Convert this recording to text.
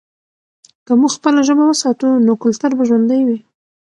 که موږ خپله ژبه وساتو، نو کلتور به ژوندی وي.